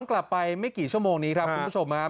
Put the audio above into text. กลับไปไม่กี่ชั่วโมงนี้ครับคุณผู้ชมครับ